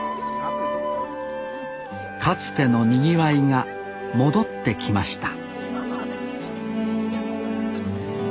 かつてのにぎわいが戻ってきました